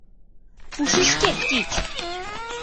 — Пушышкет тич!